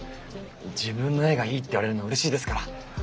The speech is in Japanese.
自分の絵がいいって言われるのうれしいですから。